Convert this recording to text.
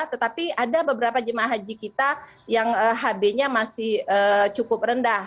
tetapi ada beberapa jemaah haji kita yang hb nya masih cukup rendah